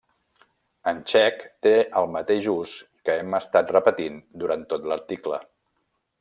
En txec té el mateix ús que hem estat repetint durant tot l'article.